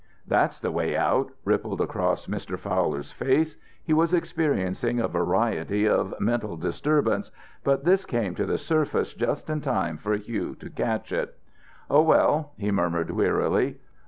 "That's the way out," rippled across Mr. Fowler's face. He was experiencing a variety of mental disturbances, but this came to the surface just in time for Hugh to catch it. "Oh well," he murmured, wearily.